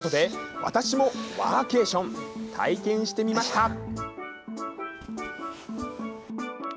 ということで、私もワーケーション、体験してみました。